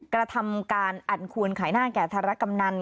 กระทำการอันควรขายหน้าแก่ธารกำนัน